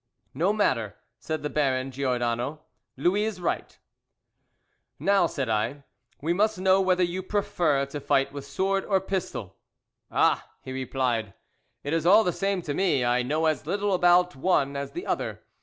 "No matter," said the Baron Giordano, "Louis is right." "Now," said I, "we must know whether you prefer to fight with sword or pistol?" "Ah," he replied, "it is all the same to me; I know as little about one as the other.